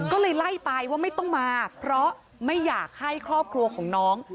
ก็เลยไล่ไปว่าไม่ต้องมาเพราะไม่อยากให้ครอบครัวของน้อง